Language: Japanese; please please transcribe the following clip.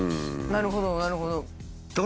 なるほどなるほど。